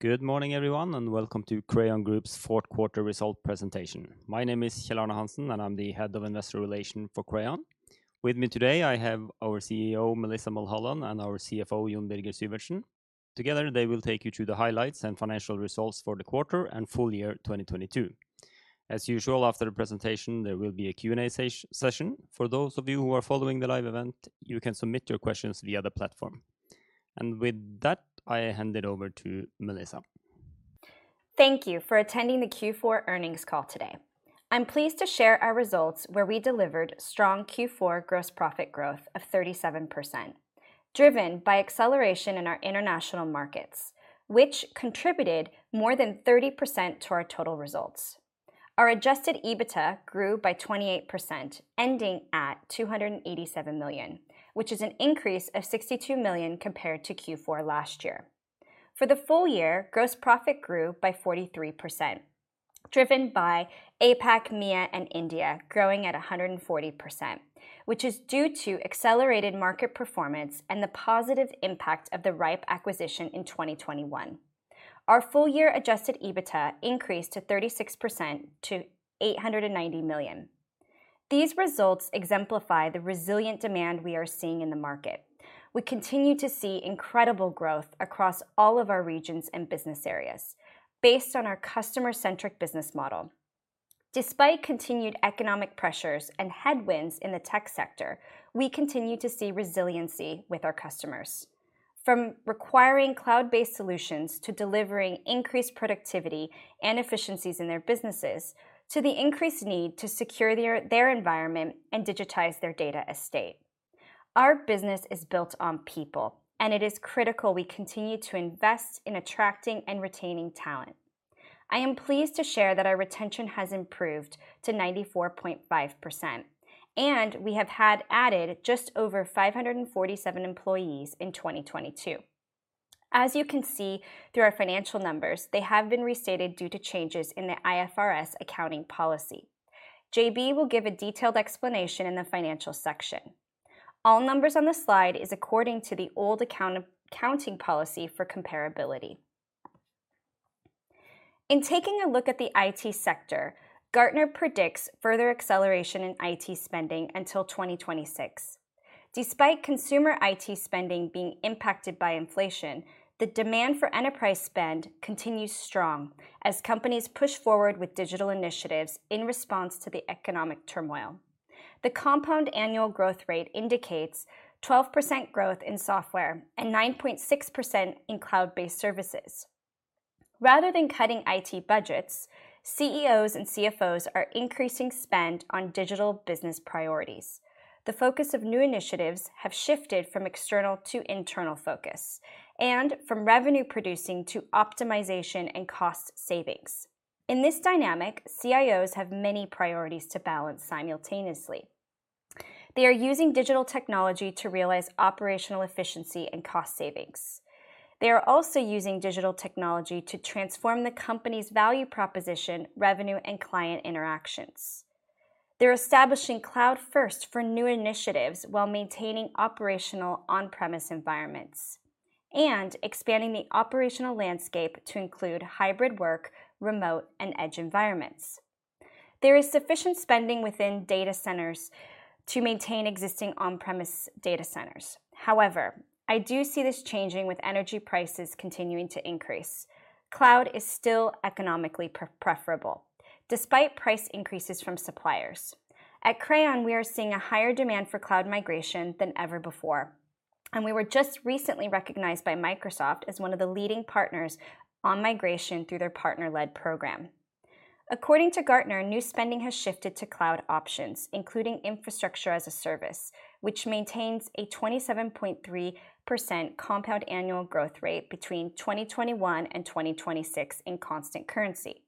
Good morning, everyone, and welcome to Crayon Group's fourth quarter result presentation. My name is Kjell-Arne Hansen, and I'm the Head of Investor Relations for Crayon. With me today, I have our CEO, Melissa Mulholland, and our CFO, Jon Birger Syvertsen. Together, they will take you through the highlights and financial results for the quarter and full year 2022. As usual, after the presentation, there will be a Q&A session. For those of you who are following the live event, you can submit your questions via the platform. With that, I hand it over to Melissa. Thank you for attending the Q4 earnings call today. I'm pleased to share our results where we delivered strong Q4 gross profit growth of 37%, driven by acceleration in our international markets, which contributed more than 30% to our total results. Our adjusted EBITDA grew by 28%, ending at 287 million, which is an increase of 62 million compared to Q4 last year. For the full year, gross profit grew by 43%, driven by APAC, MEA, and India growing at 140%, which is due to accelerated market performance and the positive impact of the rhipe acquisition in 2021. Our full year adjusted EBITDA increased to 36% to 890 million. These results exemplify the resilient demand we are seeing in the market. We continue to see incredible growth across all of our regions and business areas based on our customer-centric business model. Despite continued economic pressures and headwinds in the tech sector, we continue to see resiliency with our customers. From requiring cloud-based solutions to delivering increased productivity and efficiencies in their businesses, to the increased need to secure their environment and digitize their data estate. Our business is built on people, and it is critical we continue to invest in attracting and retaining talent. I am pleased to share that our retention has improved to 94.5%, and we have had added just over 547 employees in 2022. As you can see through our financial numbers, they have been restated due to changes in the IFRS accounting policy. JB will give a detailed explanation in the financial section. All numbers on the slide is according to the old accounting policy for comparability. In taking a look at the IT sector, Gartner predicts further acceleration in IT spending until 2026. Despite consumer IT spending being impacted by inflation, the demand for enterprise spend continues strong as companies push forward with digital initiatives in response to the economic turmoil. The compound annual growth rate indicates 12% growth in software and 9.6% in cloud-based services. Rather than cutting IT budgets, CEOs and CFOs are increasing spend on digital business priorities. The focus of new initiatives have shifted from external to internal focus and from revenue producing to optimization and cost savings. In this dynamic, CIOs have many priorities to balance simultaneously. They are using digital technology to realize operational efficiency and cost savings. They are also using digital technology to transform the company's value proposition, revenue, and client interactions. They're establishing cloud first for new initiatives while maintaining operational on-premise environments and expanding the operational landscape to include hybrid work, remote, and edge environments. There is sufficient spending within data centers to maintain existing on-premise data centers. I do see this changing with energy prices continuing to increase. Cloud is still economically preferable despite price increases from suppliers. At Crayon, we are seeing a higher demand for cloud migration than ever before, and we were just recently recognized by Microsoft as one of the leading partners on migration through their partner-led program. According to Gartner, new spending has shifted to cloud options, including infrastructure as a service, which maintains a 27.3% compound annual growth rate between 2021 and 2026 in constant currency.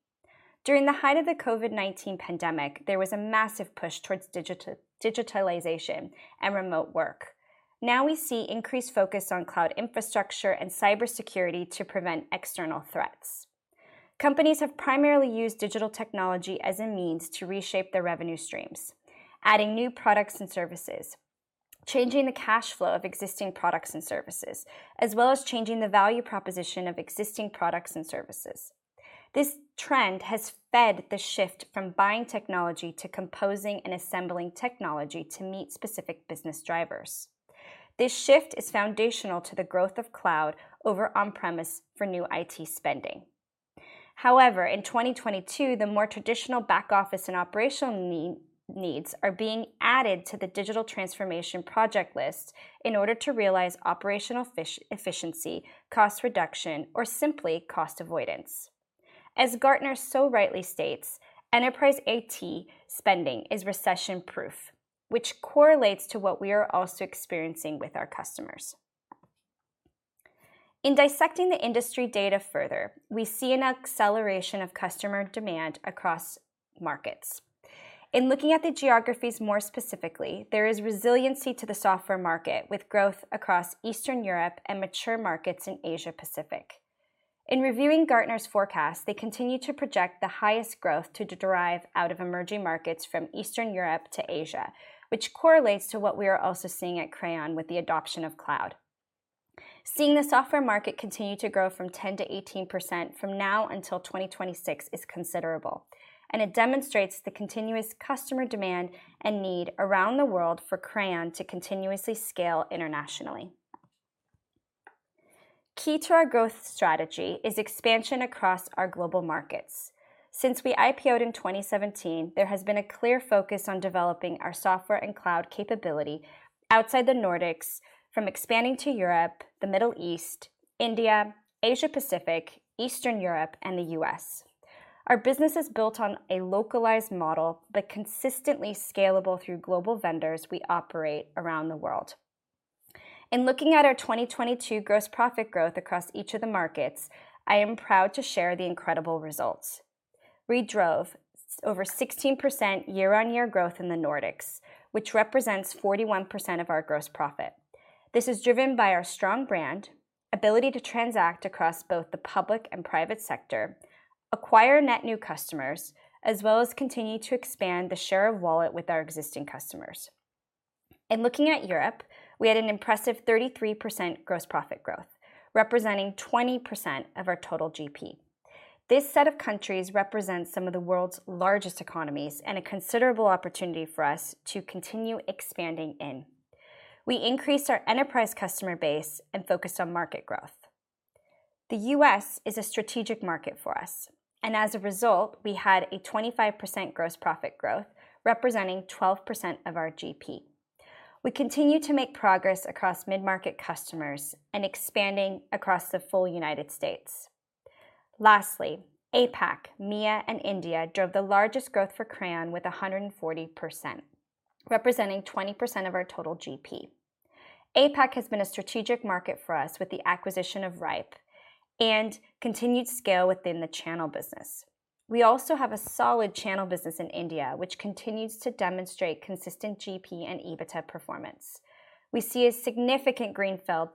During the height of the COVID-19 pandemic, there was a massive push towards digitalization and remote work. We see increased focus on cloud infrastructure and cybersecurity to prevent external threats. Companies have primarily used digital technology as a means to reshape their revenue streams, adding new products and services, changing the cash flow of existing products and services, as well as changing the value proposition of existing products and services. This trend has fed the shift from buying technology to composing and assembling technology to meet specific business drivers. This shift is foundational to the growth of cloud over on-premise for new IT spending. In 2022, the more traditional back office and operational needs are being added to the digital transformation project list in order to realize operational efficiency, cost reduction, or simply cost avoidance. As Gartner so rightly states, "Enterprise IT spending is recession-proof," which correlates to what we are also experiencing with our customers. In dissecting the industry data further, we see an acceleration of customer demand across markets. In looking at the geographies more specifically, there is resiliency to the software market with growth across Eastern Europe and mature markets in Asia Pacific. In reviewing Gartner's forecast, they continue to project the highest growth to derive out of emerging markets from Eastern Europe to Asia, which correlates to what we are also seeing at Crayon with the adoption of cloud. Seeing the software market continue to grow from 10%-18% from now until 2026 is considerable. It demonstrates the continuous customer demand and need around the world for Crayon to continuously scale internationally. Key to our growth strategy is expansion across our global markets. Since we IPO'd in 2017, there has been a clear focus on developing our software and cloud capability outside the Nordics from expanding to Europe, the Middle East, India, Asia Pacific, Eastern Europe, and the U.S. Our business is built on a localized model, but consistently scalable through global vendors we operate around the world. In looking at our 2022 gross profit growth across each of the markets, I am proud to share the incredible results. We drove over 16% year-on-year growth in the Nordics, which represents 41% of our gross profit. This is driven by our strong brand, ability to transact across both the public and private sector, acquire net new customers, as well as continue to expand the share of wallet with our existing customers. In looking at Europe, we had an impressive 33% gross profit growth, representing 20% of our total GP. This set of countries represents some of the world's largest economies and a considerable opportunity for us to continue expanding in. We increased our enterprise customer base and focused on market growth. The U.S. is a strategic market for us, and as a result, we had a 25% gross profit growth, representing 12% of our GP. We continue to make progress across mid-market customers and expanding across the full United States. Lastly, APAC, MEA, and India drove the largest growth for Crayon with 140%, representing 20% of our total GP. APAC has been a strategic market for us with the acquisition of rhipe and continued scale within the channel business. We also have a solid channel business in India, which continues to demonstrate consistent GP and EBITDA performance. We see a significant greenfield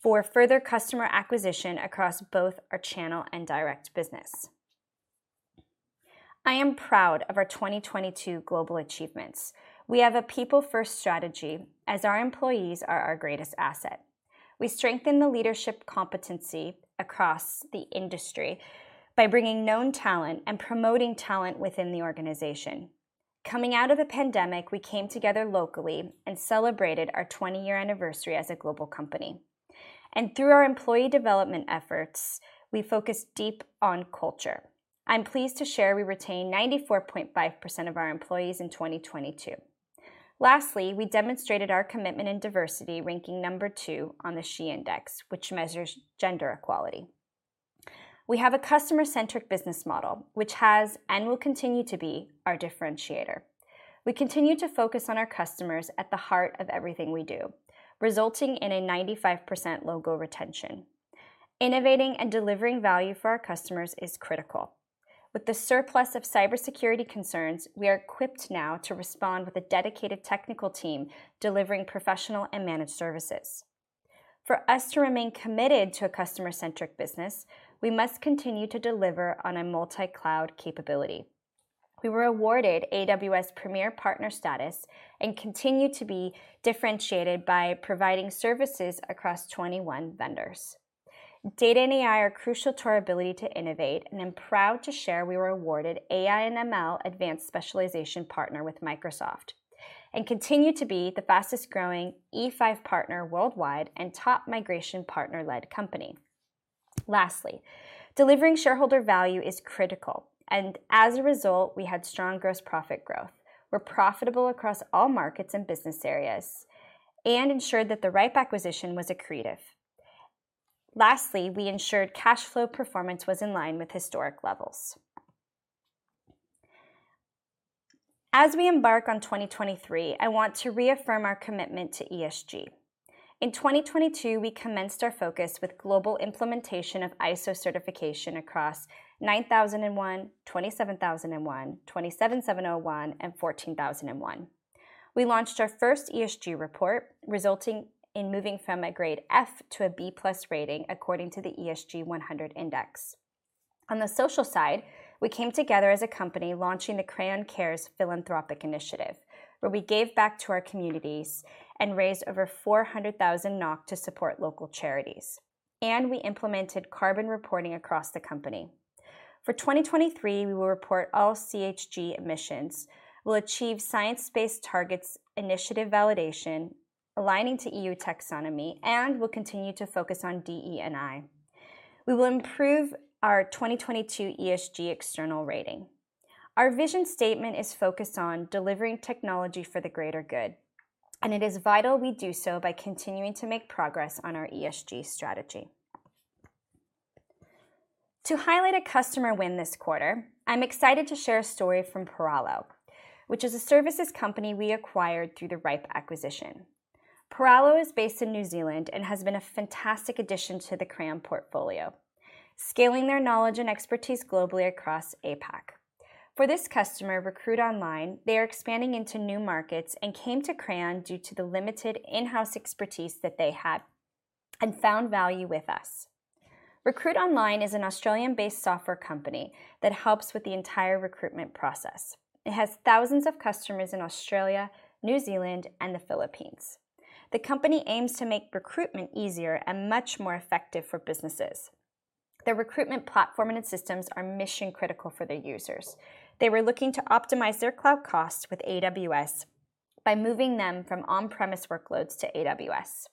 for further customer acquisition across both our channel and direct business. I am proud of our 2022 global achievements. We have a people-first strategy as our employees are our greatest asset. We strengthen the leadership competency across the industry by bringing known talent and promoting talent within the organization. Coming out of the pandemic, we came together locally and celebrated our twenty-year anniversary as a global company. Through our employee development efforts, we focused deep on culture. I'm pleased to share we retained 94.5% of our employees in 2022. Lastly, we demonstrated our commitment in diversity, ranking No. 2 on the SHE Index, which measures gender equality. We have a customer-centric business model, which has and will continue to be our differentiator. We continue to focus on our customers at the heart of everything we do, resulting in a 95% logo retention. Innovating and delivering value for our customers is critical. With the surplus of cybersecurity concerns, we are equipped now to respond with a dedicated technical team delivering professional and managed services. For us to remain committed to a customer-centric business, we must continue to deliver on a multi-cloud capability. We were awarded AWS Premier Partner status and continue to be differentiated by providing services across 21 vendors. Data and AI are crucial to our ability to innovate, and I'm proud to share we were awarded AI and ML Advanced Specialization Partner with Microsoft and continue to be the fastest-growing E5 partner worldwide and top migration partner-led company. Lastly, delivering shareholder value is critical. As a result, we had strong gross profit growth. We're profitable across all markets and business areas and ensured that the rhipe acquisition was accretive. Lastly, we ensured cash flow performance was in line with historic levels. As we embark on 2023, I want to reaffirm our commitment to ESG. In 2022, we commenced our focus with global implementation of ISO certification across 9001, 27001, 27701, and 14001. We launched our first ESG report, resulting in moving from a grade F to a B+ rating, according to the ESG 100 index. On the social side, we came together as a company launching the Crayon Cares philanthropic initiative, where we gave back to our communities and raised over 400,000 NOK to support local charities. We implemented carbon reporting across the company. For 2023, we will report all GHG emissions. We'll achieve Science Based Targets initiative validation aligning to EU taxonomy. We'll continue to focus on DE&I. We will improve our 2022 ESG external rating. Our vision statement is focused on delivering technology for the greater good. It is vital we do so by continuing to make progress on our ESG strategy. To highlight a customer win this quarter, I'm excited to share a story from Parallo, which is a services company we acquired through the rhipe acquisition. Parallo is based in New Zealand and has been a fantastic addition to the Crayon portfolio, scaling their knowledge and expertise globally across APAC. For this customer, RecruitOnline, they are expanding into new markets and came to Crayon due to the limited in-house expertise that they had and found value with us. RecruitOnline is an Australian-based software company that helps with the entire recruitment process. It has thousands of customers in Australia, New Zealand, and the Philippines. The company aims to make recruitment easier and much more effective for businesses. Their recruitment platform and systems are mission-critical for their users. They were looking to optimize their cloud costs with AWS by moving them from on-premise workloads to AWS,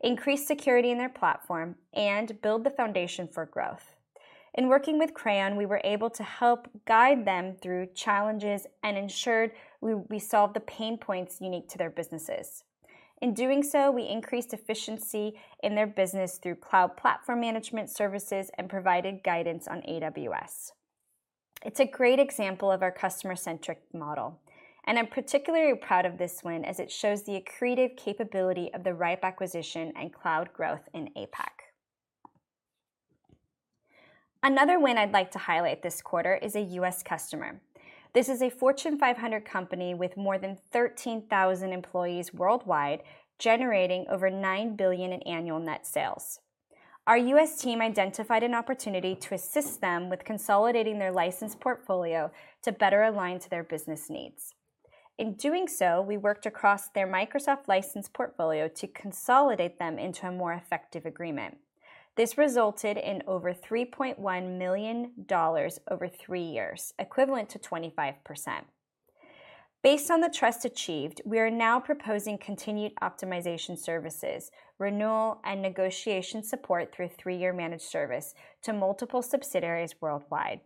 increase security in their platform, and build the foundation for growth. In working with Crayon, we were able to help guide them through challenges and ensured we solved the pain points unique to their businesses. In doing so, we increased efficiency in their business through cloud platform management services and provided guidance on AWS. It's a great example of our customer-centric model. I'm particularly proud of this win as it shows the accretive capability of the rhipe acquisition and cloud growth in APAC. Another win I'd like to highlight this quarter is a U.S. customer. This is a Fortune 500 company with more than 13,000 employees worldwide, generating over $9 billion in annual net sales. Our U.S. team identified an opportunity to assist them with consolidating their license portfolio to better align to their business needs. In doing so, we worked across their Microsoft license portfolio to consolidate them into a more effective agreement. This resulted in over $3.1 million over three years, equivalent to 25%. Based on the trust achieved, we are now proposing continued optimization services, renewal, and negotiation support through a three year managed service to multiple subsidiaries worldwide.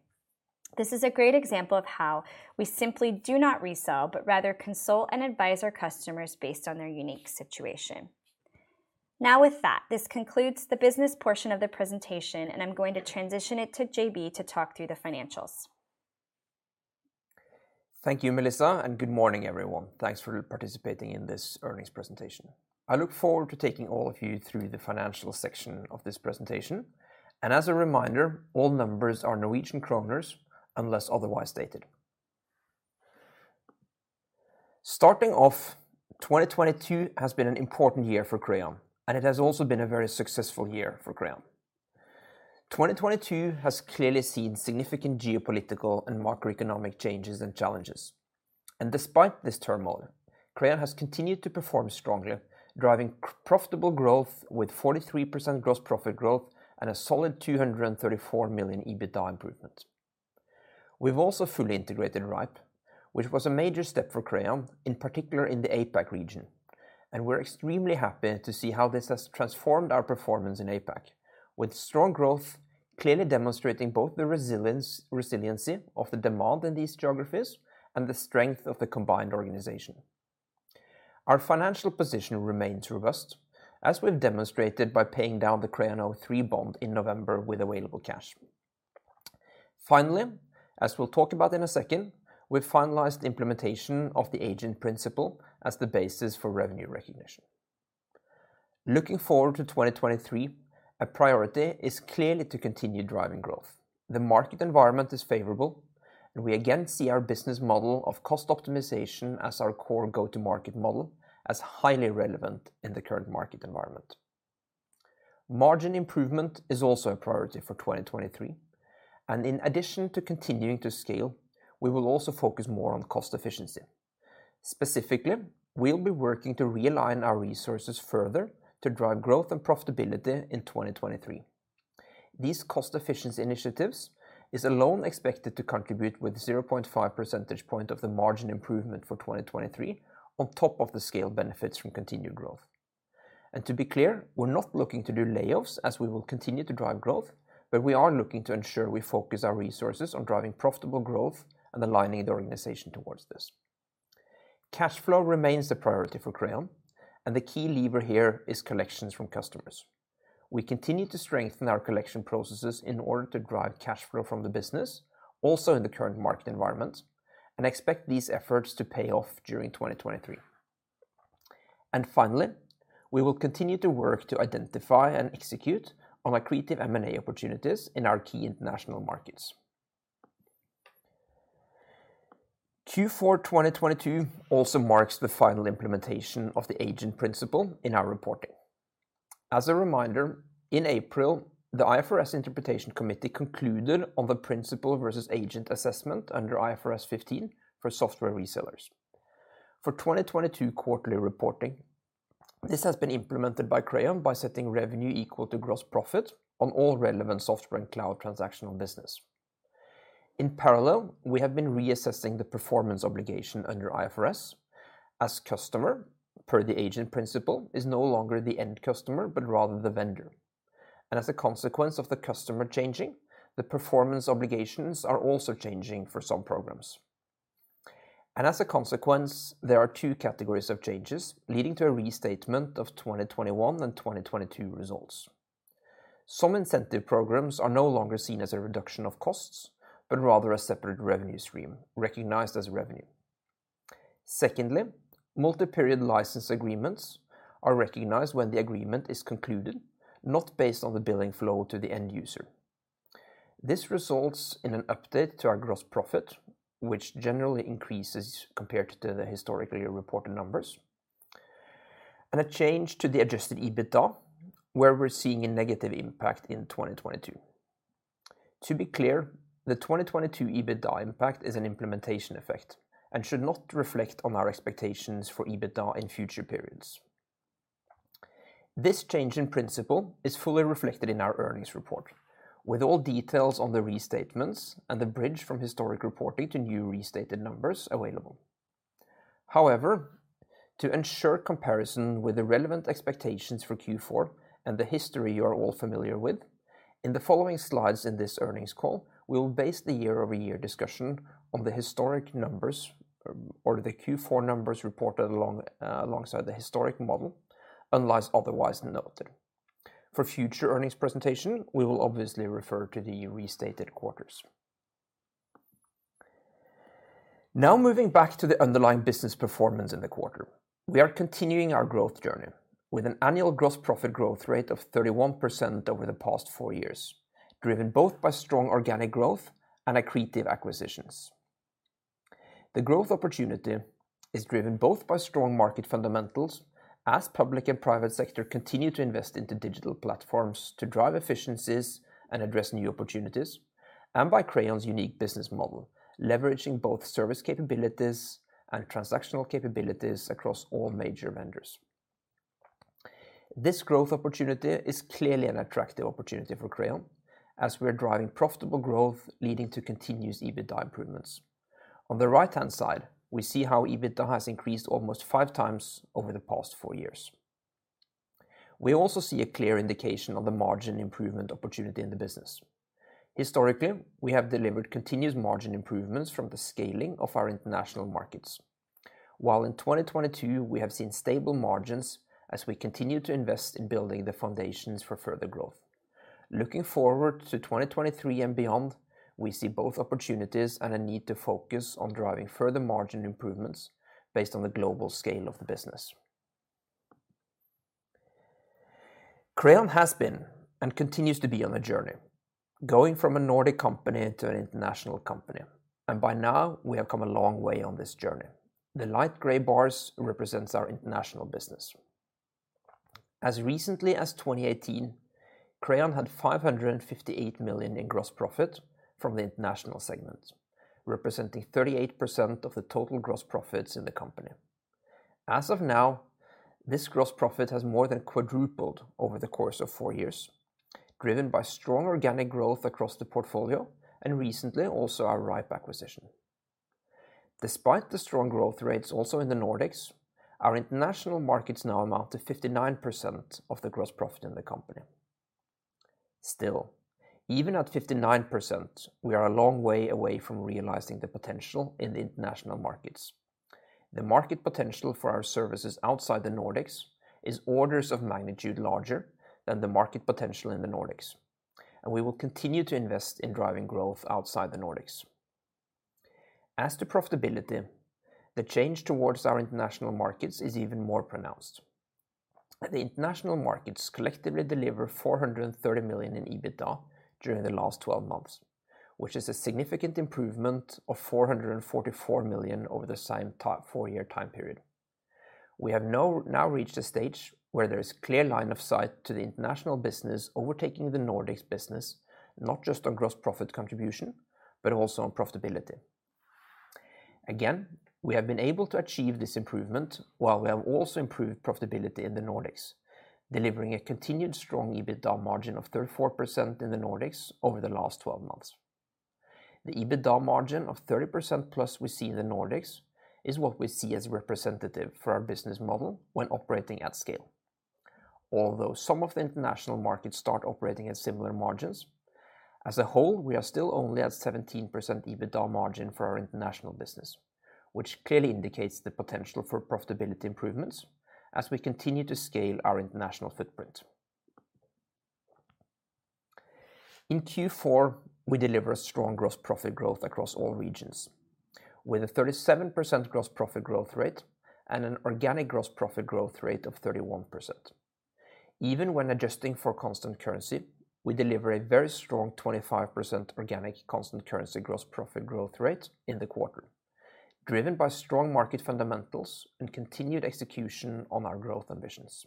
This is a great example of how we simply do not resell, but rather consult and advise our customers based on their unique situation. Now with that, this concludes the business portion of the presentation, and I'm going to transition it to J.B. to talk through the financials. Thank you, Melissa. Good morning, everyone. Thanks for participating in this earnings presentation. I look forward to taking all of you through the financial section of this presentation. As a reminder, all numbers are Norwegian kroners unless otherwise stated. Starting off, 2022 has been an important year for Crayon, and it has also been a very successful year for Crayon. 2022 has clearly seen significant geopolitical and macroeconomic changes and challenges. Despite this turmoil, Crayon has continued to perform strongly, driving profitable growth with 43% gross profit growth and a solid 234 million EBITDA improvement. We've also fully integrated rhipe, which was a major step for Crayon, in particular in the APAC region. We're extremely happy to see how this has transformed our performance in APAC, with strong growth clearly demonstrating both the resiliency of the demand in these geographies and the strength of the combined organization. Our financial position remains robust, as we've demonstrated by paying down the CRAYON03 bond in November with available cash. Finally, as we'll talk about in a second, we've finalized the implementation of the principal-agent as the basis for revenue recognition. Looking forward to 2023, a priority is clearly to continue driving growth. The market environment is favorable, and we again see our business model of cost optimization as our core go-to-market model as highly relevant in the current market environment. Margin improvement is also a priority for 2023. In addition to continuing to scale, we will also focus more on cost efficiency. Specifically, we'll be working to realign our resources further to drive growth and profitability in 2023. These cost efficiency initiatives is alone expected to contribute with 0.5 percentage point of the margin improvement for 2023 on top of the scale benefits from continued growth. To be clear, we're not looking to do layoffs as we will continue to drive growth, but we are looking to ensure we focus our resources on driving profitable growth and aligning the organization towards this. Cash flow remains a priority for Crayon, and the key lever here is collections from customers. We continue to strengthen our collection processes in order to drive cash flow from the business, also in the current market environment, and expect these efforts to pay off during 2023. Finally, we will continue to work to identify and execute on accretive M&A opportunities in our key international markets. Q4 2022 also marks the final implementation of the agent principal in our reporting. As a reminder, in April, the IFRS Interpretations Committee concluded on the principal versus agent assessment under IFRS 15 for software resellers. For 2022 quarterly reporting, this has been implemented by Crayon by setting revenue equal to gross profit on all relevant software and cloud transactional business. In parallel, we have been reassessing the performance obligation under IFRS as customer per the agent principal is no longer the end customer, but rather the vendor. As a consequence of the customer changing, the performance obligations are also changing for some programs. As a consequence, there are two categories of changes leading to a restatement of 2021 and 2022 results. Some incentive programs are no longer seen as a reduction of costs, but rather a separate revenue stream recognized as revenue. Secondly, multi-period license agreements are recognized when the agreement is concluded, not based on the billing flow to the end user. This results in an update to our gross profit, which generally increases compared to the historically reported numbers. A change to the adjusted EBITDA where we're seeing a negative impact in 2022. To be clear, the 2022 EBITDA impact is an implementation effect and should not reflect on our expectations for EBITDA in future periods. This change in principle is fully reflected in our earnings report, with all details on the restatements and the bridge from historic reporting to new restated numbers available. To ensure comparison with the relevant expectations for Q4 and the history you are all familiar with, in the following slides in this earnings call, we will base the year-over-year discussion on the historic numbers or the Q4 numbers reported alongside the historic model, unless otherwise noted. For future earnings presentation, we will obviously refer to the restated quarters. Moving back to the underlying business performance in the quarter. We are continuing our growth journey with an annual gross profit growth rate of 31% over the past four years, driven both by strong organic growth and accretive acquisitions. The growth opportunity is driven both by strong market fundamentals as public and private sector continue to invest into digital platforms to drive efficiencies and address new opportunities, and by Crayon's unique business model, leveraging both service capabilities and transactional capabilities across all major vendors. This growth opportunity is clearly an attractive opportunity for Crayon as we are driving profitable growth leading to continuous EBITDA improvements. On the right-hand side, we see how EBITDA has increased almost 5 times over the past four years. We also see a clear indication of the margin improvement opportunity in the business. Historically, we have delivered continuous margin improvements from the scaling of our international markets, while in 2022 we have seen stable margins as we continue to invest in building the foundations for further growth. Looking forward to 2023 and beyond, we see both opportunities and a need to focus on driving further margin improvements based on the global scale of the business. Crayon has been and continues to be on a journey, going from a Nordic company to an international company, and by now we have come a long way on this journey. The light gray bars represents our international business. As recently as 2018, Crayon had 558 million in gross profit from the international segment, representing 38% of the total gross profits in the company. As of now, this gross profit has more than quadrupled over the course of four years, driven by strong organic growth across the portfolio and recently also our rhipe acquisition. Despite the strong growth rates also in the Nordics, our international markets now amount to 59% of the gross profit in the company. Still, even at 59%, we are a long way away from realizing the potential in the international markets. The market potential for our services outside the Nordics is orders of magnitude larger than the market potential in the Nordics, and we will continue to invest in driving growth outside the Nordics. As to profitability, the change towards our international markets is even more pronounced. The international markets collectively deliver 430 million in EBITDA during the last 12 months, which is a significant improvement of 444 million over the four-year time period. We have now reached a stage where there is clear line of sight to the international business overtaking the Nordics business, not just on gross profit contribution, but also on profitability. Again, we have been able to achieve this improvement while we have also improved profitability in the Nordics, delivering a continued strong EBITDA margin of 34% in the Nordics over the last 12 months. The EBITDA margin of 30% plus we see in the Nordics is what we see as representative for our business model when operating at scale. Although some of the international markets start operating at similar margins, as a whole, we are still only at 17% EBITDA margin for our international business, which clearly indicates the potential for profitability improvements as we continue to scale our international footprint. In Q4, we deliver a strong gross profit growth across all regions with a 37% gross profit growth rate and an organic gross profit growth rate of 31%. Even when adjusting for constant currency, we deliver a very strong 25% organic constant currency gross profit growth rate in the quarter, driven by strong market fundamentals and continued execution on our growth ambitions.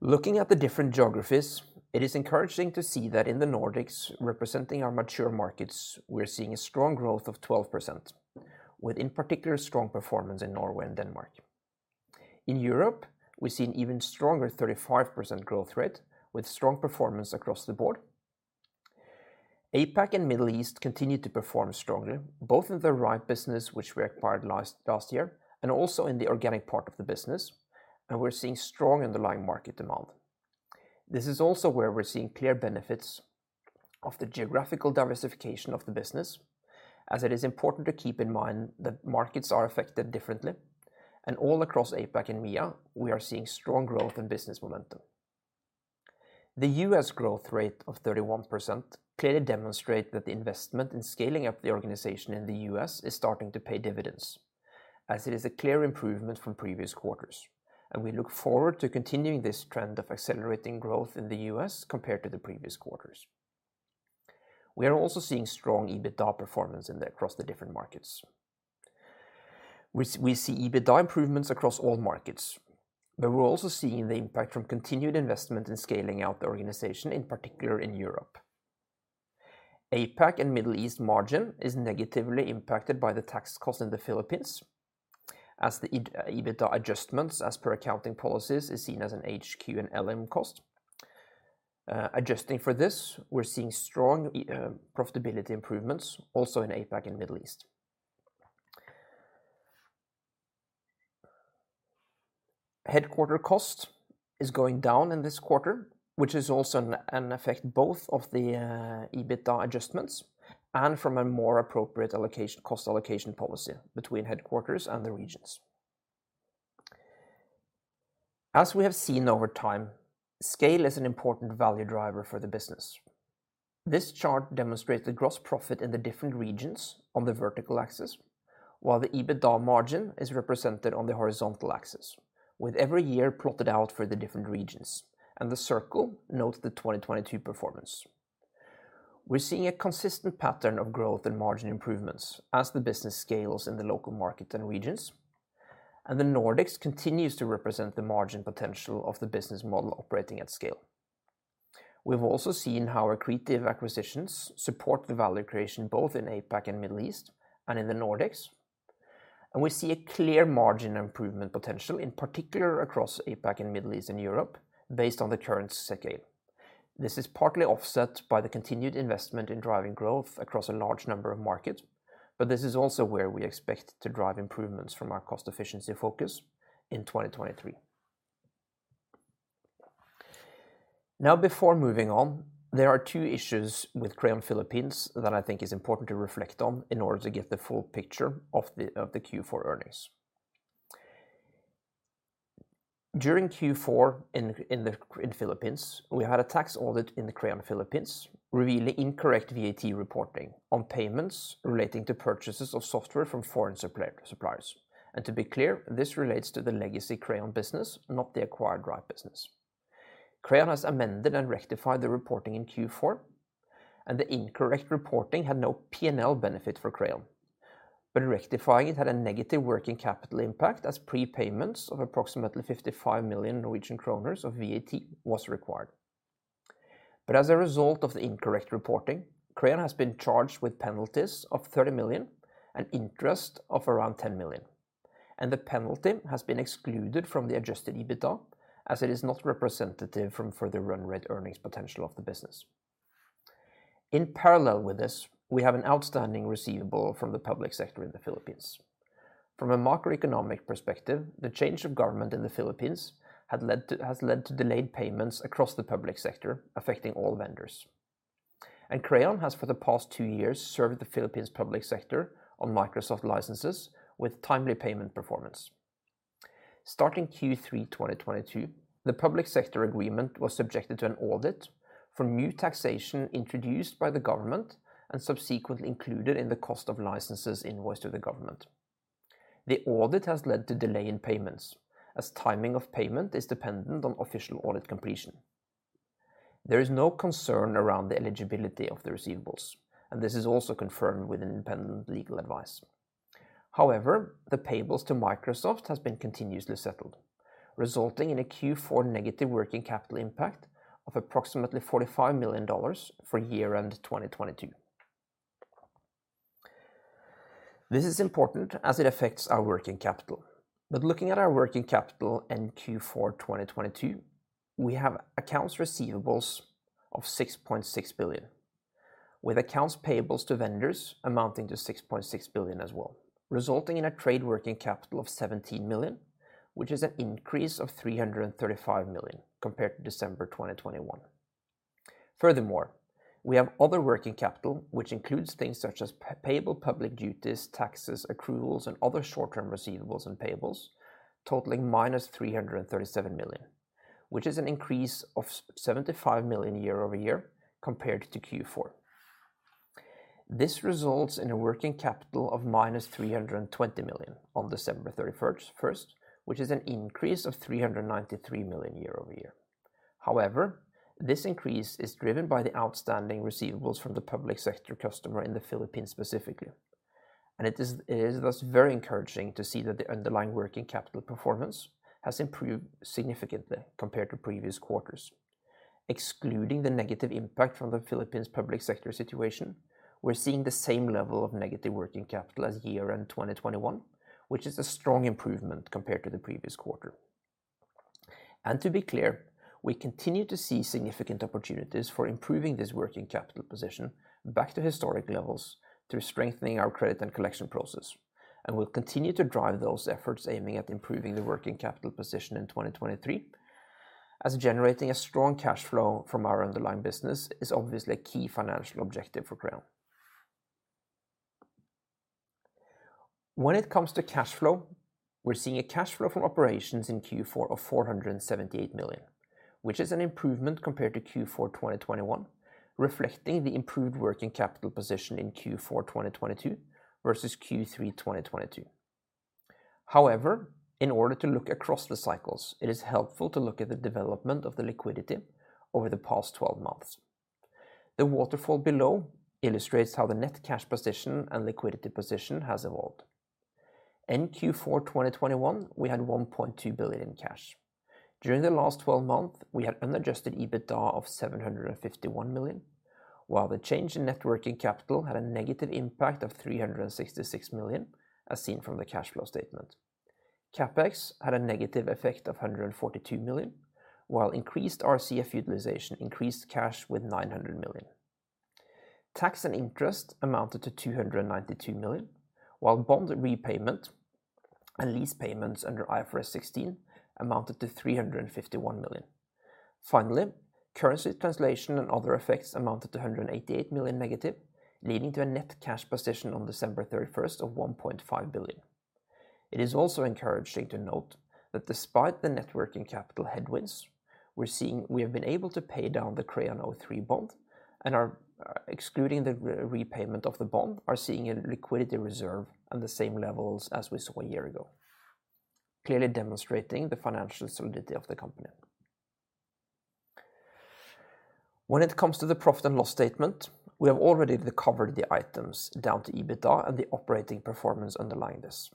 Looking at the different geographies, it is encouraging to see that in the Nordics representing our mature markets, we're seeing a strong growth of 12%, with in particular strong performance in Norway and Denmark. In Europe, we see an even stronger 35% growth rate with strong performance across the board. APAC and Middle East continue to perform strongly, both in the rhipe business which we acquired last year, also in the organic part of the business, we're seeing strong underlying market demand. This is also where we're seeing clear benefits of the geographical diversification of the business, as it is important to keep in mind that markets are affected differently. All across APAC and MEA, we are seeing strong growth and business momentum. The U.S. growth rate of 31% clearly demonstrate that the investment in scaling up the organization in the U.S. is starting to pay dividends, as it is a clear improvement from previous quarters. We look forward to continuing this trend of accelerating growth in the U.S. compared to the previous quarters. We are also seeing strong EBITDA performance in across the different markets. We see EBITDA improvements across all markets, but we're also seeing the impact from continued investment in scaling out the organization, in particular in Europe. APAC and Middle East margin is negatively impacted by the tax cost in the Philippines as the EBITDA adjustments as per accounting policies is seen as an HQ and LM cost. Adjusting for this, we're seeing strong profitability improvements also in APAC and Middle East. Headquarter cost is going down in this quarter, which is also an effect both of the EBITDA adjustments and from a more appropriate cost allocation policy between headquarters and the regions. As we have seen over time, scale is an important value driver for the business. This chart demonstrates the gross profit in the different regions on the vertical axis, while the EBITDA margin is represented on the horizontal axis, with every year plotted out for the different regions and the circle notes the 2022 performance. We're seeing a consistent pattern of growth and margin improvements as the business scales in the local market and regions, and the Nordics continues to represent the margin potential of the business model operating at scale. We've also seen how accretive acquisitions support the value creation, both in APAC and Middle East and in the Nordics, and we see a clear margin improvement potential, in particular across APAC and Middle East and Europe based on the current scale. This is partly offset by the continued investment in driving growth across a large number of markets. This is also where we expect to drive improvements from our cost efficiency focus in 2023. Before moving on, there are two issues with Crayon Philippines that I think is important to reflect on in order to get the full picture of the Q4 earnings. During Q4 in the Philippines, we had a tax audit in the Crayon Philippines revealing incorrect VAT reporting on payments relating to purchases of software from foreign suppliers. To be clear, this relates to the legacy Crayon business, not the acquired rhipe business. Crayon has amended and rectified the reporting in Q4. The incorrect reporting had no P&L benefit for Crayon. Rectifying it had a negative working capital impact as prepayments of approximately 55 million Norwegian kroner of VAT was required. As a result of the incorrect reporting, Crayon has been charged with penalties of 30 million and interest of around 10 million, and the penalty has been excluded from the adjusted EBITDA as it is not representative from further run rate earnings potential of the business. In parallel with this, we have an outstanding receivable from the public sector in the Philippines. From a macroeconomic perspective, the change of government in the Philippines has led to delayed payments across the public sector, affecting all vendors. Crayon has for the past two years, served the Philippines public sector on Microsoft licenses with timely payment performance. Starting Q3 2022, the public sector agreement was subjected to an audit from new taxation introduced by the government and subsequently included in the cost of licenses invoiced to the government. The audit has led to delay in payments as timing of payment is dependent on official audit completion. There is no concern around the eligibility of the receivables, and this is also confirmed with independent legal advice. However, the payables to Microsoft has been continuously settled, resulting in a Q4 negative working capital impact of approximately $45 million for year-end 2022. This is important as it affects our working capital. Looking at our working capital in Q4 2022, we have accounts receivables of 6.6 billion, with accounts payables to vendors amounting to 6.6 billion as well, resulting in a trade working capital of 17 million, which is an increase of 335 million compared to December 2021. Furthermore, we have other working capital, which includes things such as payable public duties, taxes, accruals, and other short-term receivables and payables totaling minus 337 million, which is an increase of 75 million year-over-year compared to Q4. This results in a working capital of minus 320 million on December 31st, which is an increase of 393 million year-over-year. However, this increase is driven by the outstanding receivables from the public sector customer in the Philippines specifically, and it is thus very encouraging to see that the underlying working capital performance has improved significantly compared to previous quarters. Excluding the negative impact from the Philippines public sector situation, we're seeing the same level of negative working capital as year-end 2021, which is a strong improvement compared to the previous quarter. To be clear, we continue to see significant opportunities for improving this working capital position back to historic levels through strengthening our credit and collection process. We'll continue to drive those efforts aiming at improving the working capital position in 2023, as generating a strong cash flow from our underlying business is obviously a key financial objective for Crayon. When it comes to cash flow, we're seeing a cash flow from operations in Q4 of 478 million, which is an improvement compared to Q4 2021, reflecting the improved working capital position in Q4 2022 versus Q3 2022. However, in order to look across the cycles, it is helpful to look at the development of the liquidity over the past 12 months. The waterfall below illustrates how the net cash position and liquidity position has evolved. In Q4 2021, we had 1.2 billion in cash. During the last 12 months, we had unadjusted EBITDA of 751 million, while the change in net working capital had a negative impact of 366 million, as seen from the cash flow statement. CapEx had a negative effect of 142 million, while increased RCF utilization increased cash with 900 million. Tax and interest amounted to 292 million, while bond repayment and lease payments under IFRS 16 amounted to 351 million. Finally, currency translation and other effects amounted to 188 million negative, leading to a net cash position on December 31st of 1.5 billion. It is also encouraging to note that despite the net working capital headwinds we're seeing, we have been able to pay down the CRAYON03 bond and are, excluding the repayment of the bond, are seeing a liquidity reserve at the same levels as we saw a year ago, clearly demonstrating the financial solidity of the company. When it comes to the profit and loss statement, we have already covered the items down to EBITDA and the operating performance underlying this.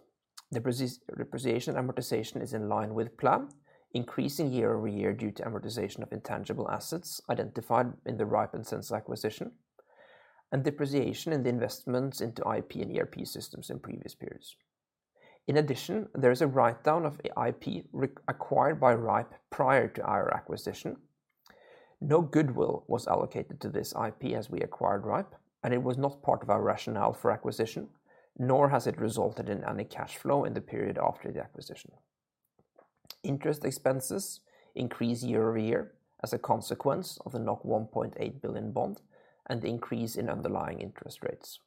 Depreciation amortization is in line with plan, increasing year-over-year due to amortization of intangible assets identified in the rhipe and Sensa acquisition and depreciation in the investments into IP and ERP systems in previous periods. In addition, there is a write-down of IP acquired by rhipe prior to our acquisition. No goodwill was allocated to this IP as we acquired rhipe, and it was not part of our rationale for acquisition, nor has it resulted in any cash flow in the period after the acquisition. Interest expenses increase year-over-year as a consequence of the 1.8 billion bond and the increase in underlying interest rates.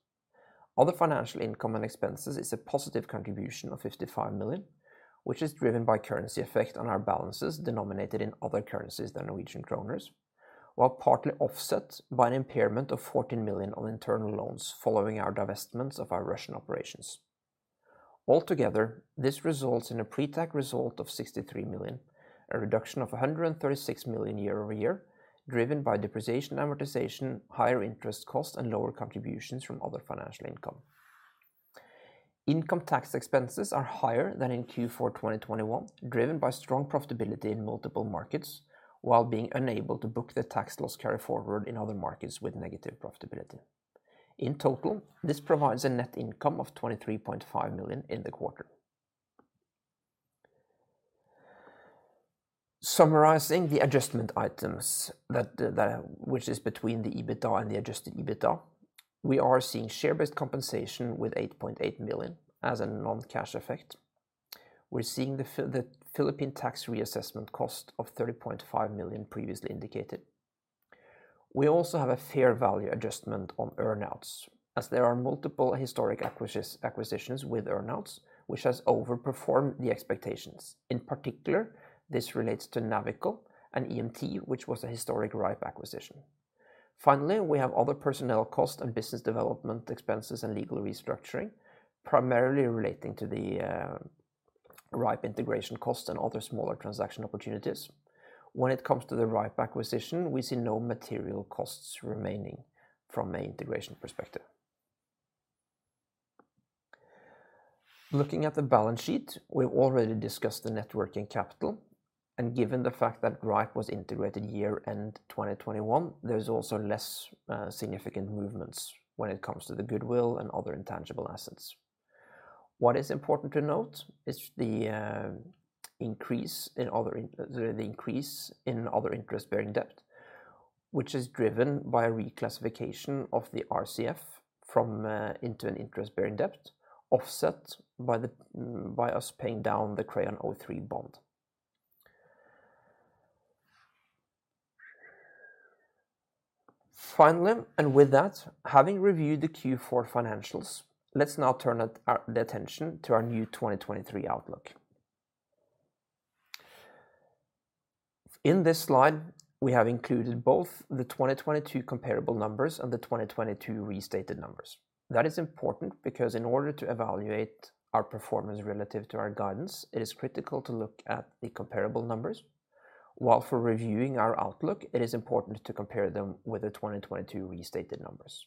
Other financial income and expenses is a positive contribution of 55 million, which is driven by currency effect on our balances denominated in other currencies than Norwegian kroners, while partly offset by an impairment of 14 million on internal loans following our divestments of our Russian operations. Altogether, this results in a pre-tax result of 63 million, a reduction of 136 million year-over-year, driven by depreciation, amortization, higher interest costs, and lower contributions from other financial income. Income tax expenses are higher than in Q4 2021, driven by strong profitability in multiple markets, while being unable to book the tax loss carryforward in other markets with negative profitability. In total, this provides a net income of 23.5 million in the quarter. Summarizing the adjustment items that which is between the EBITDA and the adjusted EBITDA, we are seeing share-based compensation with 8.8 million as a non-cash effect. We're seeing the Philippine tax reassessment cost of 30.5 million previously indicated. We also have a fair value adjustment on earn-outs, as there are multiple historic acquisitions with earn-outs which has overperformed the expectations. In particular, this relates to Navico and EMT, which was a historic rhipe acquisition. We have other personnel costs and business development expenses and legal restructuring, primarily relating to the rhipe integration costs and other smaller transaction opportunities. When it comes to the rhipe acquisition, we see no material costs remaining from an integration perspective. Looking at the balance sheet, we've already discussed the net working capital, and given the fact that rhipe was integrated year-end 2021, there's also less significant movements when it comes to the goodwill and other intangible assets. What is important to note is the increase in other interest-bearing debt, which is driven by a reclassification of the RCF from into an interest-bearing debt offset by us paying down the CRAYON03 bond. Finally, and with that, having reviewed the Q4 financials, let's now turn our attention to our new 2023 outlook. In this slide, we have included both the 2022 comparable numbers and the 2022 restated numbers. That is important because in order to evaluate our performance relative to our guidance, it is critical to look at the comparable numbers. While for reviewing our outlook, it is important to compare them with the 2022 restated numbers.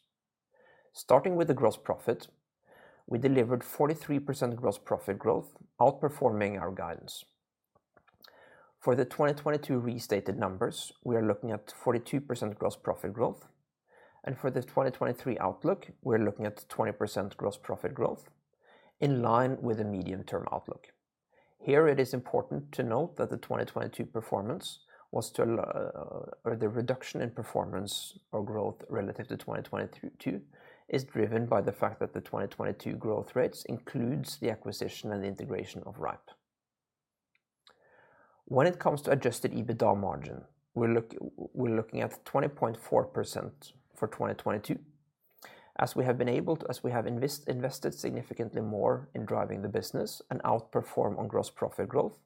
Starting with the gross profit, we delivered 43% gross profit growth, outperforming our guidance. For the 2022 restated numbers, we are looking at 42% gross profit growth, and for the 2023 outlook, we are looking at 20% gross profit growth in line with the medium-term outlook. Here, it is important to note that the reduction in performance or growth relative to 2022 is driven by the fact that the 2022 growth rates includes the acquisition and integration of rhipe. When it comes to adjusted EBITDA margin, We're looking at 20.4% for 2022. As we have been able to. We have invested significantly more in driving the business and outperform on gross profit growth,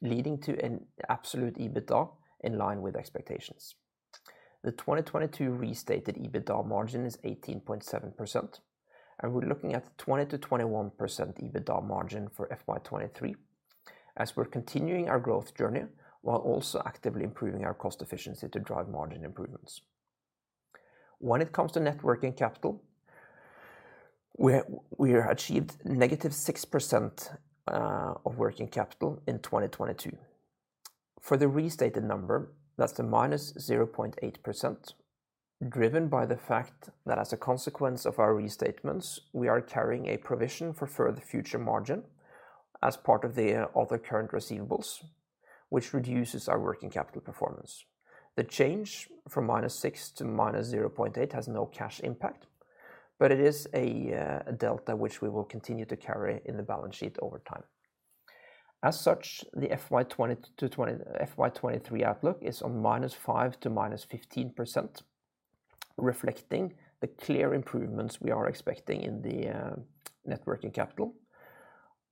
leading to an absolute EBITDA in line with expectations. The 2022 restated EBITDA margin is 18.7%, and we're looking at 20%-21% EBITDA margin for FY 2023 as we're continuing our growth journey while also actively improving our cost efficiency to drive margin improvements. When it comes to net working capital, we achieved -6% of working capital in 2022. For the restated number, that's the -0.8%, driven by the fact that as a consequence of our restatements, we are carrying a provision for further future margin as part of the other current receivables, which reduces our working capital performance. The change from -6 to -0.8 has no cash impact, but it is a delta which we will continue to carry in the balance sheet over time. As such, the FY 2023 outlook is on -5% to -15%, reflecting the clear improvements we are expecting in the net working capital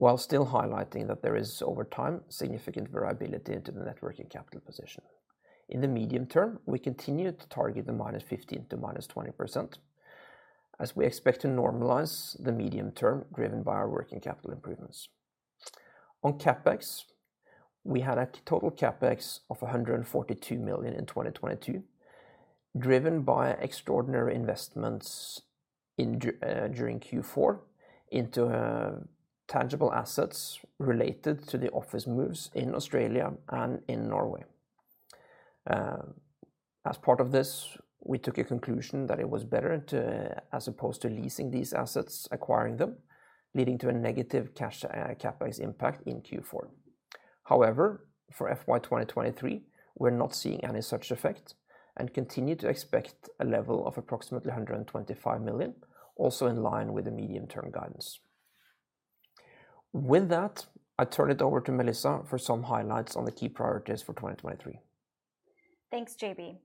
while still highlighting that there is, over time, significant variability to the net working capital position. In the medium term, we continue to target the -15% to -20% as we expect to normalize the medium term driven by our working capital improvements. On CapEx, we had a total CapEx of 142 million in 2022, driven by extraordinary investments during Q4 into tangible assets related to the office moves in Australia and in Norway. As part of this, we took a conclusion that it was better to, as opposed to leasing these assets, acquiring them, leading to a negative cash and CapEx impact in Q4. For FY 2023, we're not seeing any such effect and continue to expect a level of approximately 125 million, also in line with the medium-term guidance. With that, I turn it over to Melissa for some highlights on the key priorities for 2023. Thanks, JB.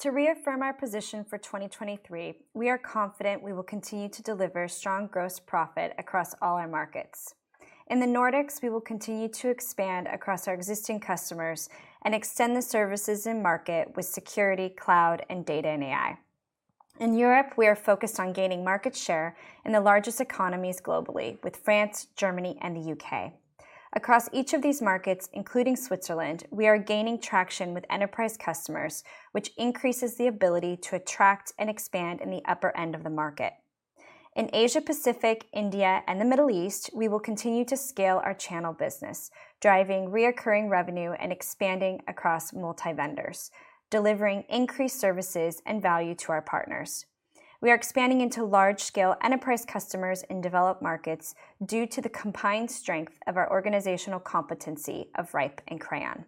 To reaffirm our position for 2023, we are confident we will continue to deliver strong gross profit across all our markets. In the Nordics, we will continue to expand across our existing customers and extend the services in market with security, cloud, and data and AI. In Europe, we are focused on gaining market share in the largest economies globally with France, Germany, and the U.K. Across each of these markets, including Switzerland, we are gaining traction with enterprise customers, which increases the ability to attract and expand in the upper end of the market. In Asia Pacific, India, and the Middle East, we will continue to scale our channel business, driving reoccurring revenue and expanding across multi-vendors, delivering increased services and value to our partners. We are expanding into large-scale enterprise customers in developed markets due to the combined strength of our organizational competency of rhipe and Crayon.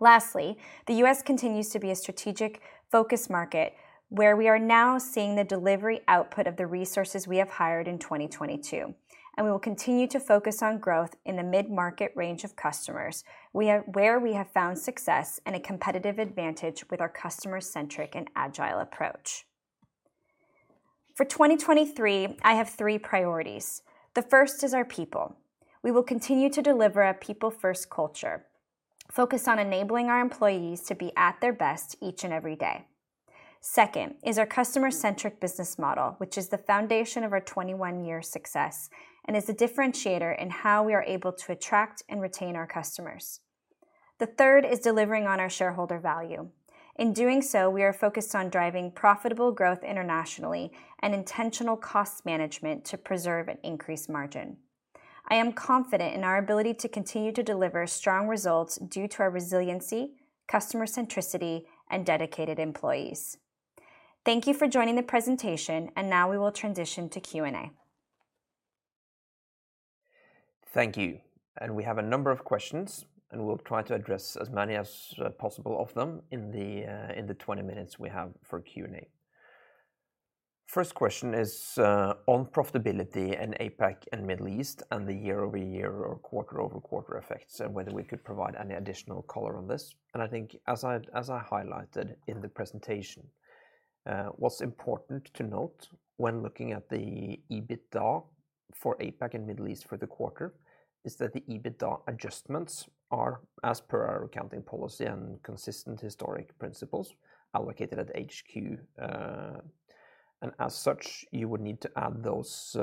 Lastly, the U.S. continues to be a strategic focus market where we are now seeing the delivery output of the resources we have hired in 2022, and we will continue to focus on growth in the mid-market range of customers. where we have found success and a competitive advantage with our customer-centric and agile approach. For 2023, I have three priorities. The first is our people. We will continue to deliver a people-first culture focused on enabling our employees to be at their best each and every day. Second is our customer-centric business model, which is the foundation of our 21-year success and is a differentiator in how we are able to attract and retain our customers. The third is delivering on our shareholder value. In doing so, we are focused on driving profitable growth internationally and intentional cost management to preserve an increased margin. I am confident in our ability to continue to deliver strong results due to our resiliency, customer centricity, and dedicated employees. Thank you for joining the presentation, and now we will transition to Q&A. Thank you. We have a number of questions, and we'll try to address as many as possible of them in the 20 minutes we have for Q&A. First question is on profitability in APAC and Middle East and the year-over-year or quarter-over-quarter effects and whether we could provide any additional color on this. I think as I, as I highlighted in the presentation, what's important to note when looking at the EBITDA for APAC and Middle East for the quarter is that the EBITDA adjustments are as per our accounting policy and consistent historic principles allocated at HQ. As such, you would need to add those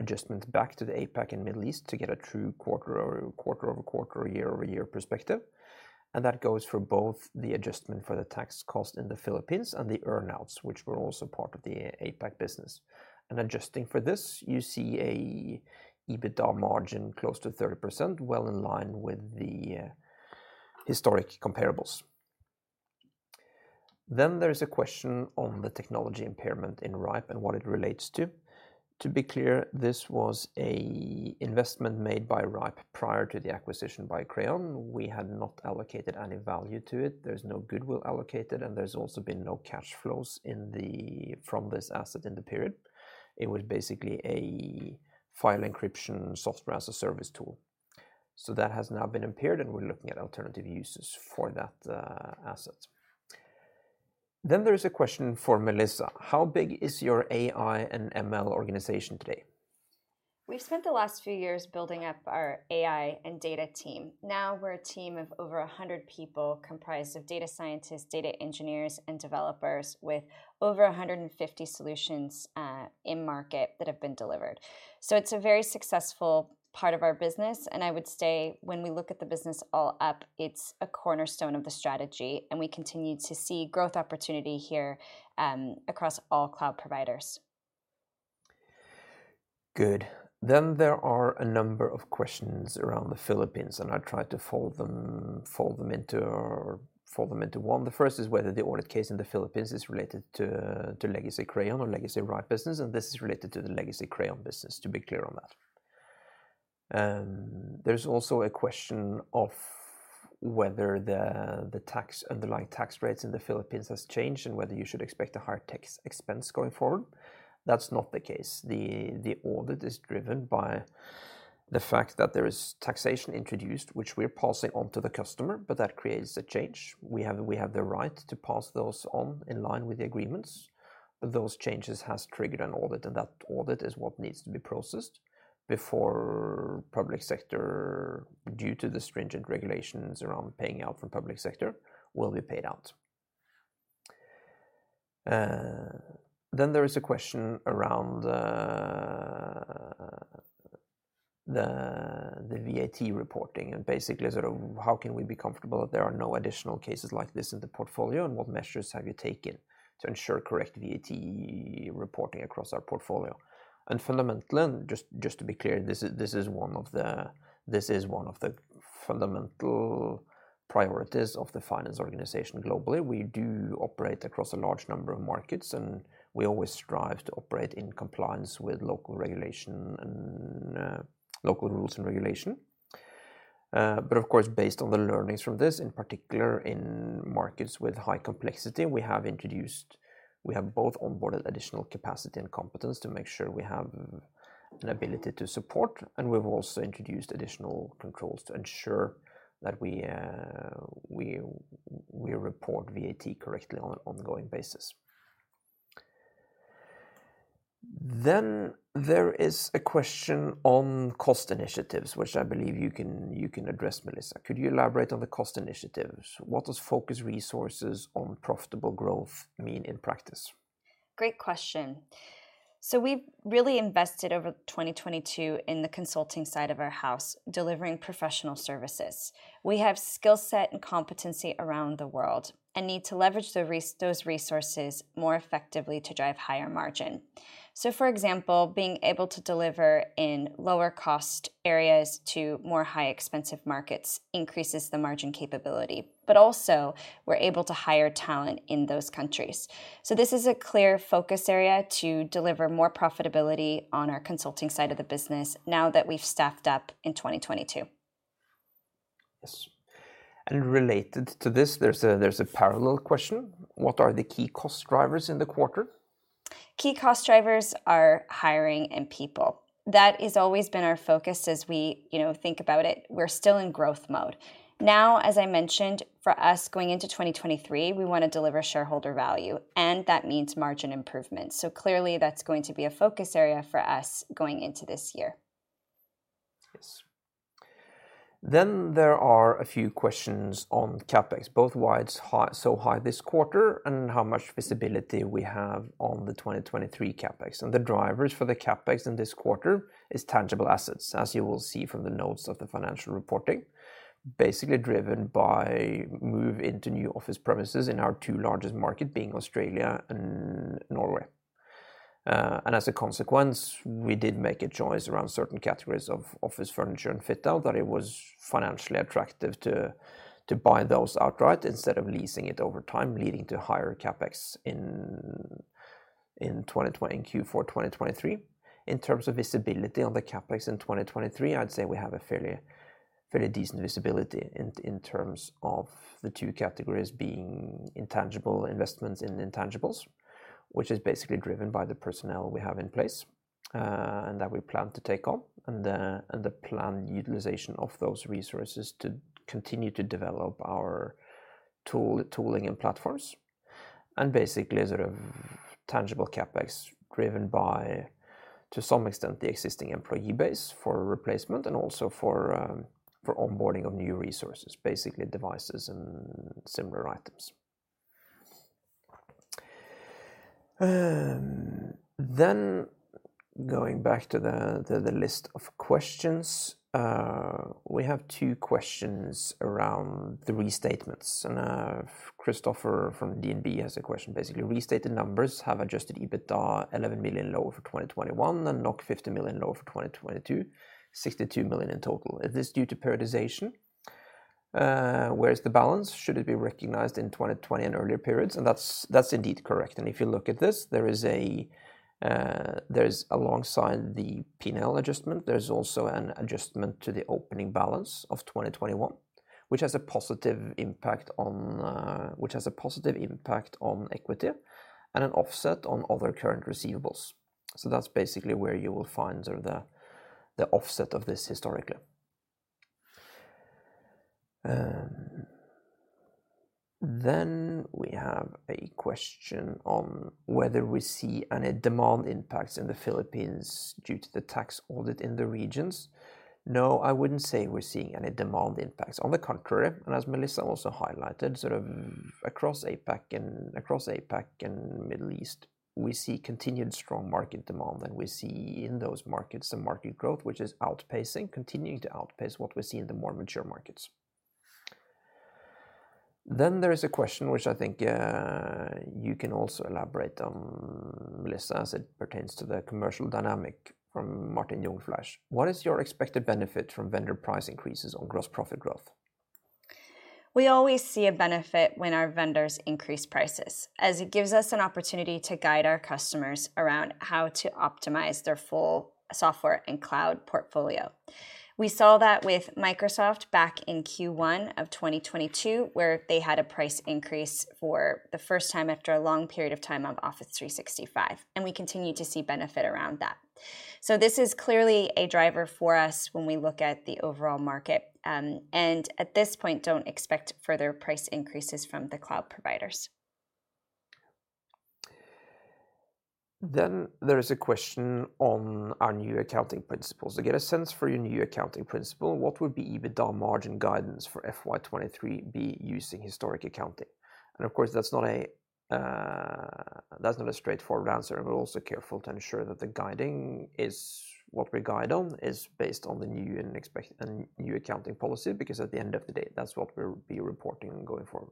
adjustments back to the APAC and Middle East to get a true quarter-over-quarter, year-over-year perspective. That goes for both the adjustment for the tax cost in the Philippines and the earn-outs, which were also part of the APAC business. Adjusting for this, you see a EBITDA margin close to 30%, well in line with the historic comparables. There's a question on the technology impairment in rhipe and what it relates to. To be clear, this was a investment made by rhipe prior to the acquisition by Crayon. We had not allocated any value to it. There's no goodwill allocated, and there's also been no cash flows from this asset in the period. It was basically a file encryption software as a service tool. That has now been impaired, and we're looking at alternative uses for that asset. There is a question for Melissa. How big is your AI and ML organization today? We've spent the last few years building up our AI and data team. Now we're a team of over 100 people comprised of data scientists, data engineers, and developers with over 150 solutions in market that have been delivered. It's a very successful part of our business. I would say when we look at the business all up, it's a cornerstone of the strategy. We continue to see growth opportunity here across all cloud providers. Good. There are a number of questions around the Philippines, and I'll try to fold them into one. The first is whether the audit case in the Philippines is related to legacy Crayon or legacy rhipe business. This is related to the legacy Crayon business, to be clear on that. There's also a question of whether the tax, underlying tax rates in the Philippines has changed and whether you should expect a higher tax expense going forward. That's not the case. The audit is driven by the fact that there is taxation introduced, which we're passing on to the customer. That creates a change. We have the right to pass those on in line with the agreements, but those changes has triggered an audit, and that audit is what needs to be processed before public sector, due to the stringent regulations around paying out from public sector, will be paid out. Then there is a question around the VAT reporting and basically sort of how can we be comfortable that there are no additional cases like this in the portfolio, and what measures have you taken to ensure correct VAT reporting across our portfolio? Fundamentally, just to be clear, this is one of the fundamental priorities of the finance organization globally. We do operate across a large number of markets, and we always strive to operate in compliance with local regulation and local rules and regulation. Of course, based on the learnings from this, in particular in markets with high complexity, we have both onboarded additional capacity and competence to make sure we have an ability to support, and we've also introduced additional controls to ensure that we report VAT correctly on an ongoing basis. There is a question on cost initiatives, which I believe you can address, Melissa. Could you elaborate on the cost initiatives? What does focus resources on profitable growth mean in practice? Great question. We've really invested over 2022 in the consulting side of our house, delivering professional services. We have skill set and competency around the world and need to leverage those resources more effectively to drive higher margin. For example, being able to deliver in lower cost areas to more high expensive markets increases the margin capability. Also, we're able to hire talent in those countries. This is a clear focus area to deliver more profitability on our consulting side of the business now that we've staffed up in 2022. Yes. Related to this, there's a parallel question. What are the key cost drivers in the quarter? Key cost drivers are hiring and people. That has always been our focus as we, you know, think about it. We're still in growth mode. As I mentioned, for us going into 2023, we wanna deliver shareholder value, and that means margin improvement. Clearly that's going to be a focus area for us going into this year. Yes. There are a few questions on CapEx, both why it's high, so high this quarter, and how much visibility we have on the 2023 CapEx. The drivers for the CapEx in this quarter is tangible assets, as you will see from the notes of the financial reporting, basically driven by move into new office premises in our two largest market, being Australia and Norway. And as a consequence, we did make a choice around certain categories of office furniture and fit out that it was financially attractive to buy those outright instead of leasing it over time, leading to higher CapEx in Q four 2023. In terms of visibility on the CapEx in 2023, I'd say we have a fairly decent visibility in terms of the two categories being intangible investments in intangibles, which is basically driven by the personnel we have in place, and that we plan to take on, and the planned utilization of those resources to continue to develop our tooling and platforms, and basically sort of tangible CapEx driven by, to some extent, the existing employee base for replacement and also for onboarding of new resources, basically devices and similar items. Going back to the list of questions, we have two questions around the restatements. Christopher from DNB has a question, basically, restated numbers have adjusted EBITDA 11 million lower for 2021 and 50 million lower for 2022, 62 million in total. Is this due to periodization? Where is the balance? Should it be recognized in 2020 and earlier periods? That's indeed correct. If you look at this, there is a, there's alongside the P&L adjustment, there's also an adjustment to the opening balance of 2021, which has a positive impact on, which has a positive impact on equity and an offset on other current receivables. That's basically where you will find sort of the offset of this historically. We have a question on whether we see any demand impacts in Crayon Philippines due to the tax audit in the regions. No, I wouldn't say we're seeing any demand impacts. On the contrary, as Melissa also highlighted, sort of across APAC and Middle East, we see continued strong market demand, and we see in those markets some market growth which is outpacing, continuing to outpace what we see in the more mature markets. There is a question which I think you can also elaborate on, Melissa, as it pertains to the commercial dynamic, from Martin Jungfleisch: "What is your expected benefit from vendor price increases on gross profit growth? We always see a benefit when our vendors increase prices, as it gives us an opportunity to guide our customers around how to optimize their full software and cloud portfolio. We saw that with Microsoft back in Q1 of 2022, where they had a price increase for the first time after a long period of time of Office 365, and we continue to see benefit around that. This is clearly a driver for us when we look at the overall market, and at this point, don't expect further price increases from the cloud providers. There is a question on our new accounting principles. To get a sense for your new accounting principle, what would be EBITDA margin guidance for FY 23 be using historic accounting? Of course, that's not a, that's not a straightforward answer, and we're also careful to ensure that the guiding is, what we guide on is based on the new and new accounting policy, because at the end of the day, that's what we'll be reporting going forward.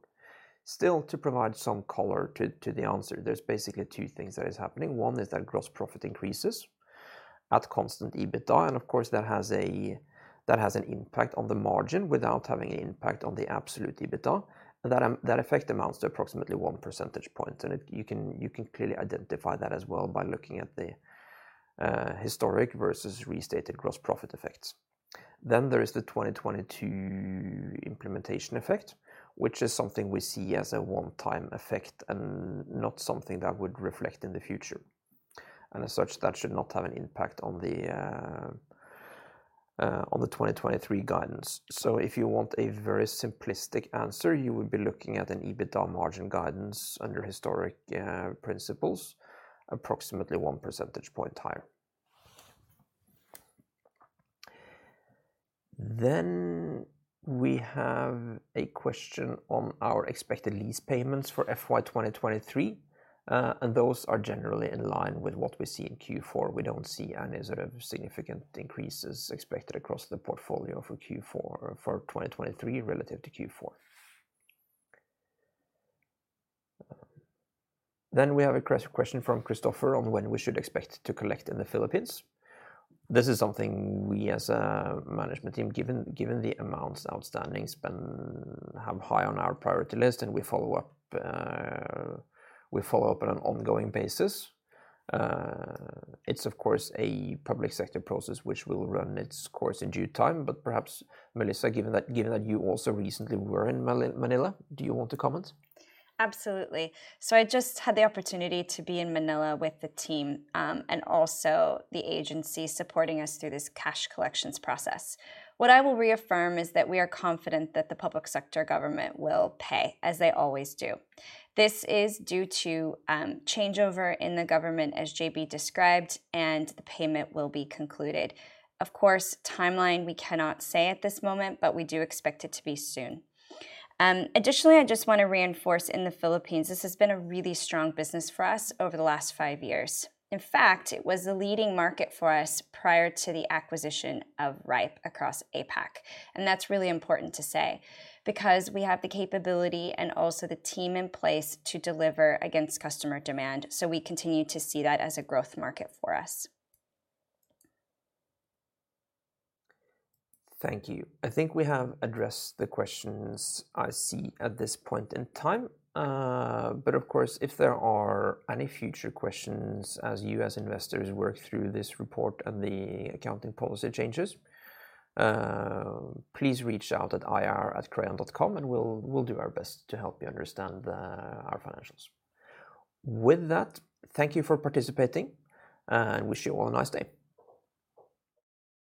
To provide some color to the answer, there's basically two things that is happening. One is that gross profit increases at constant EBITDA, and of course, that has an impact on the margin without having an impact on the absolute EBITDA, and that effect amounts to approximately 1 percentage point. It. You can clearly identify that as well by looking at the historic versus restated gross profit effects. There is the 2022 implementation effect, which is something we see as a one-time effect and not something that would reflect in the future. As such, that should not have an impact on the 2023 guidance. If you want a very simplistic answer, you would be looking at an EBITDA margin guidance under historic principles approximately 1 percentage point higher. We have a question on our expected lease payments for FY 2023, and those are generally in line with what we see in Q4. We don't see any sort of significant increases expected across the portfolio for Q4 for 2023 relative to Q4. We have a question from Christopher on when we should expect to collect in the Philippines. This is something we as a management team, given the amounts outstanding, have high on our priority list, and we follow up on an ongoing basis. It's of course a public sector process which will run its course in due time, but perhaps, Melissa, given that you also recently were in Manila, do you want to comment? Absolutely. I just had the opportunity to be in Manila with the team, and also the agency supporting us through this cash collections process. What I will reaffirm is that we are confident that the public sector government will pay, as they always do. This is due to changeover in the government, as JB described, and the payment will be concluded. Of course, timeline we cannot say at this moment, but we do expect it to be soon. Additionally, I just want to reinforce in the Philippines, this has been a really strong business for us over the last five years. In fact, it was the leading market for us prior to the acquisition of rhipe across APAC, and that's really important to say because we have the capability and also the team in place to deliver against customer demand, so we continue to see that as a growth market for us. Thank you. I think we have addressed the questions I see at this point in time. Of course, if there are any future questions as you as investors work through this report and the accounting policy changes, please reach out at ir@crayon.com, and we'll do our best to help you understand our financials. With that, thank you for participating, and wish you all a nice day.